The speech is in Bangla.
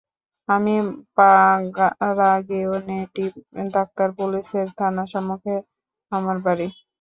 আমি পাড়াগেঁয়ে নেটিভ ডাক্তার, পুলিসের থানার সম্মুখে আমার বাড়ি।